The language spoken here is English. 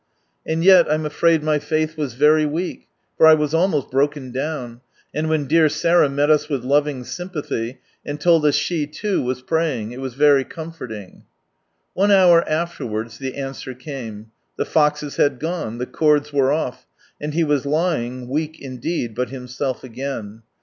And yet, I'm afraid my fahh was very weak, for I was almost broken down, and when dear Sarah met us with loving sympathy, and told us she too was praying, it was very comforting. One hour afterwards the Answer came. The "foxes" had gone, the cords were off, and he was lying, weak indeed, but himself again.